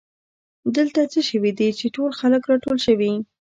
دلته څه شوي دي چې ټول خلک راټول شوي